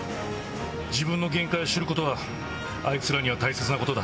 自分の限界を知ることはあいつらには大切なことだ。